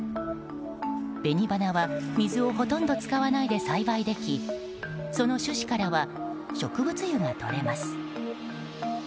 紅花は水をほとんど使わないで栽培できその種子からは植物油が取れます。